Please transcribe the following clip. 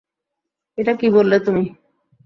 এটা কী বললে তুমি?